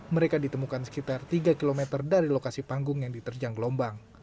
mereka ditemukan sekitar tiga kilometer dari lokasi panggung yang diterjang ke lombang